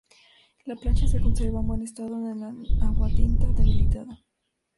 La plancha se conserva en buen estado con el aguatinta debilitado.